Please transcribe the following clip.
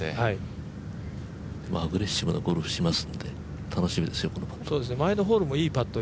アグレッシブなゴルフをするので楽しみですよ、このパット。